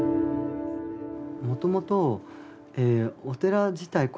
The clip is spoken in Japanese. もともとお寺自体